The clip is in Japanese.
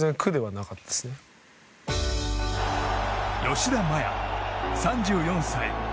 吉田麻也、３４歳。